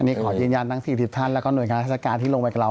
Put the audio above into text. นี่ขอยืนยันทั้ง๔๐ท่านแล้วก็หน่วยงานราชการที่ลงไปกับเรา